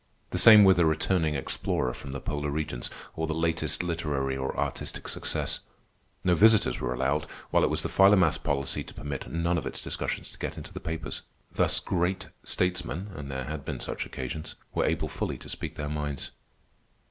The same with a returning explorer from the polar regions, or the latest literary or artistic success. No visitors were allowed, while it was the Philomath's policy to permit none of its discussions to get into the papers. Thus great statesmen—and there had been such occasions—were able fully to speak their minds.